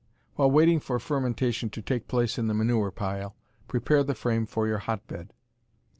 While waiting for fermentation to take place in the manure pile, prepare the frame for your hotbed.